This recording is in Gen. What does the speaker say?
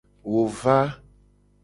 Wo va.